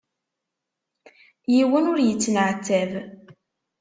Yiwen ur yettenɛettab.